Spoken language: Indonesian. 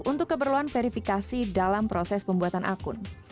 untuk keperluan verifikasi dalam proses pembuatan akun